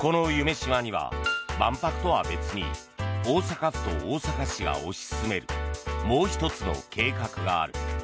洲には万博とは別に大阪府と大阪市が推し進めるもう１つの計画がある。